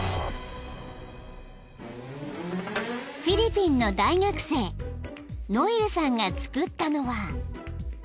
［フィリピンの大学生ノエルさんが作ったのは］